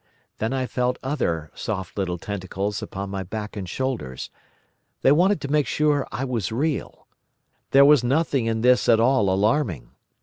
Then I felt other soft little tentacles upon my back and shoulders. They wanted to make sure I was real. There was nothing in this at all alarming.